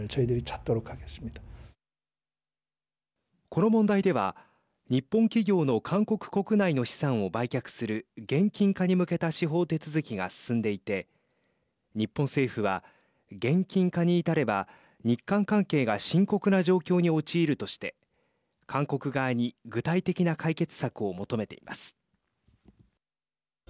この問題では日本企業の韓国国内の資産を売却する現金化に向けた司法手続きが進んでいて日本政府は、現金化に至れば日韓関係が深刻な状況に陥るとして韓国側に具体的な解決策を求めています。